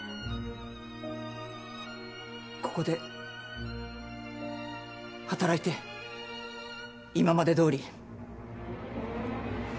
ここで働いて今までどおり。